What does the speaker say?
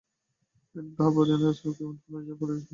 কিন্তু তাহার পরদিনেই রাজলক্ষ্মী ইনফ্লুয়েজ্ঞা-জ্বরে পড়িলেন।